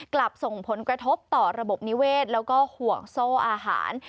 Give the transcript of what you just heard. กลับส่งผลกระทบต่อระบบนิเวศแล้วก็ห่วงโซ่อาหาร